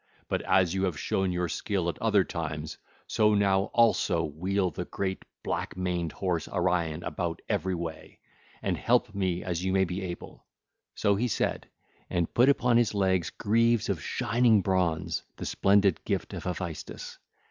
But, as you have shown your skill at other times, so now also wheel the great black maned horse Arion about every way, and help me as you may be able.' (ll. 122 138) So he said, and put upon his legs greaves of shining bronze, the splendid gift of Hephaestus.